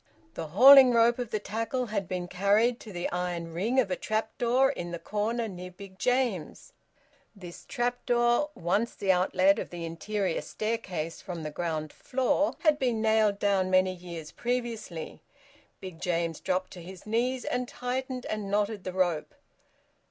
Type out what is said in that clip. The hauling rope of the tackle had been carried to the iron ring of a trap door in the corner near Big James; this trap door, once the outlet of the interior staircase from the ground floor, had been nailed down many years previously. Big James dropped to his knees and tightened and knotted the rope.